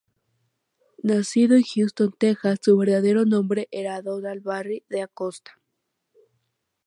Nacido en Houston, Texas, su verdadero nombre era Donald Barry De Acosta.